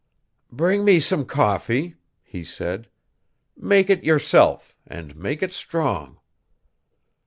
"Bring me some coffee," he said; "make it yourself, and make it strong."